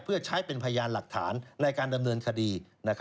เพื่อใช้เป็นพยานหลักฐานในการดำเนินคดี